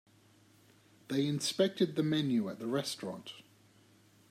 They inspected the menu at the restaurant.